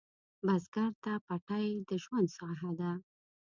بزګر ته پټی د ژوند ساحه ده